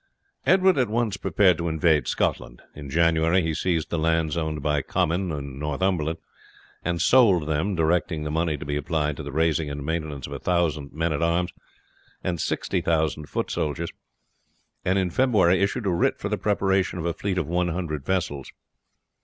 Edward at once prepared to invade Scotland; in January he seized the lands owned by Comyn in Northumberland and sold them, directing the money to be applied to the raising and maintenance of 1000 men at arms and 60,000 foot soldiers, and in February issued a writ for the preparation of a fleet of 100 vessels.